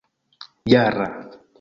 jara